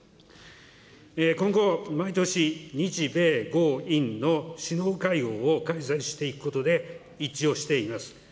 今後、毎年日米豪印の首脳会合を開催していくことで一致をしています。